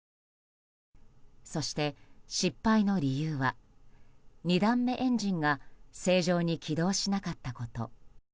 そして、失敗の理由は２段目エンジンが正常に起動しなかったこと。